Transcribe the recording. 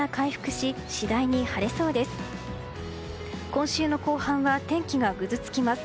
今週の後半は天気がぐずつきます。